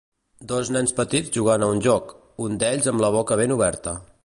Dos nens petits jugant a un joc, un d'ells amb la boca ben oberta.